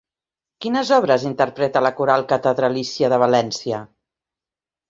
Quines obres interpreta la Coral Catedralícia de València?